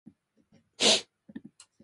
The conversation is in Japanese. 北海道長万部町